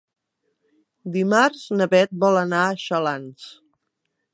Dimarts na Beth vol anar a Xalans.